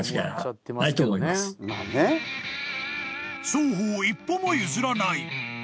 ［双方一歩も譲らない］